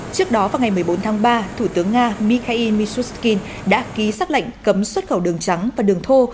trước đó vào ngày một mươi bốn tháng ba thủ tướng nga mikhail mishustin đã ký xác lệnh cấm xuất khẩu đường trắng và đường thô